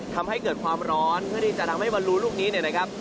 ทำให้เกิดความร้อนเพื่อที่จะทำให้บอลลูลูกนี้เนี่ยนะครับ